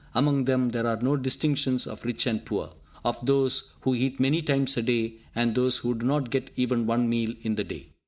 Among them there are no distinctions of rich and poor, of those who eat many times a day, and those who do not get even one meal in the day.